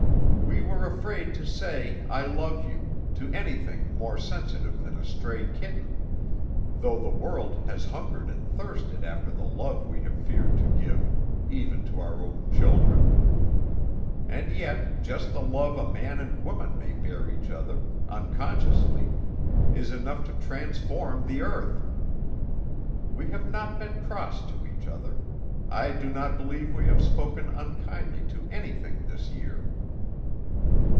We were afraid to say, I love you, to anything more sensitive than a stray kitten, though the world has hungered and thirsted after the love we have feared to give even to our own children. And yet just the love a man and woman may bear each other, unconsciously, is enough to transform the earth. We have not been cross to each other; I do not believe we have spoken unkindly to anything this year."